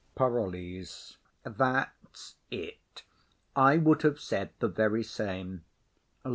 PAROLLES. That's it; I would have said the very same.